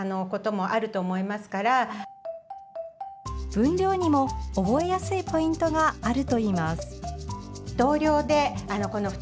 分量にも、覚えやすいポイントがあるといいます。